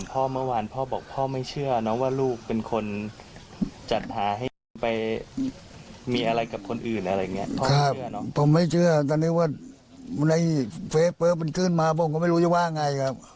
ผมไม่เชื่อแต่ไปนี่ว่า